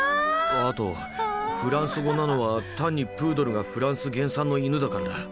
あとフランス語なのは単にプードルがフランス原産の犬だからだ。